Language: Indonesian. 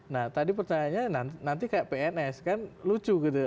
nah tadi pertanyaannya nanti kayak pns kan lucu gitu